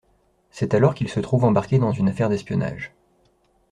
C'est alors qu'il se trouve embarqué dans une affaire d'espionnage.